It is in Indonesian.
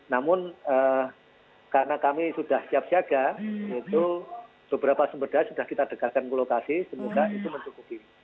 namun karena kami sudah siap siaga itu beberapa sumber daya sudah kita dekatkan ke lokasi semoga itu mencukupi